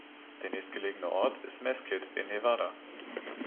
Der nächstgelegene Ort ist Mesquite in Nevada.